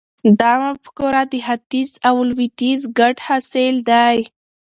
دا مفکوره د ختیځ او لویدیځ ګډ حاصل دی.